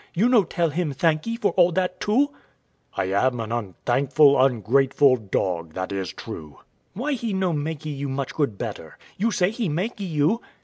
You no tell Him thankee for all that too? W.A. I am an unthankful, ungrateful dog, that is true. Wife. Why He no makee you much good better? you say He makee you.